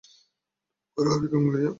পার হইবে কেমন করিয়া।